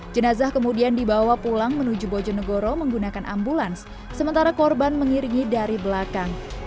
jenazah kemudian dibawa pulang menuju bojonegoro menggunakan ambulans sementara korban mengiringi dari belakang